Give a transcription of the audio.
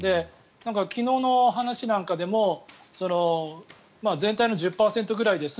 昨日の話なんかでも全体の１０％ぐらいです